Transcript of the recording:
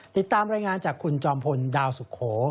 ติดตามรายงานจากคุณจอมพลดาวสุโข